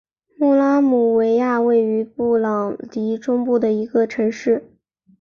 穆拉姆维亚位于布隆迪中部的一座城市。